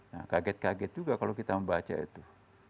nah kaget kaget juga kalau kita membaca itu